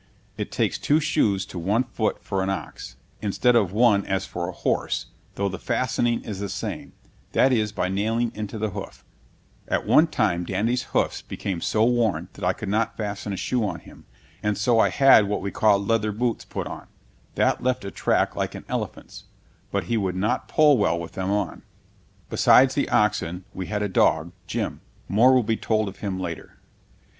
It takes two shoes to one foot for an ox, instead of one as for a horse, though the fastening is the same; that is, by nailing into the hoof. At one time Dandy's hoofs became so worn that I could not fasten a shoe on him, and so I had what we called leather boots put on, that left a track like an elephant's; but he could not pull well with them on. [Illustration: Calking the wagon box to turn it into a boat.] Besides the oxen we had a dog, Jim. More will be told of him later.